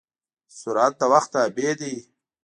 سرعت د وخت تابع دی.